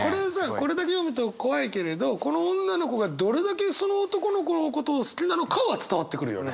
これだけ読むと怖いけれどこの女の子がどれだけその男の子のことを好きなのかは伝わってくるよね。